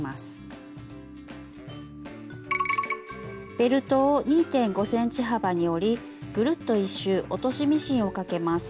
ベルトを２．５ｃｍ幅に折りぐるっと１周落としミシンをかけます。